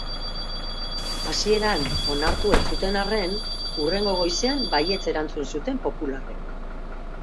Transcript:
Hasieran onartu ez zuten arren, hurrengo goizean baietz erantzun zuten popularrek.